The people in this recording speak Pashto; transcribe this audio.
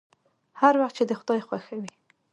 هر وخت چې د خداى خوښه وي.